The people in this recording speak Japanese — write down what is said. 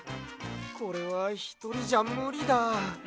これはひとりじゃむりだ。